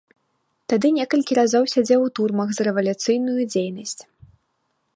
Тады некалькі разоў сядзеў у турмах за рэвалюцыйную дзейнасць.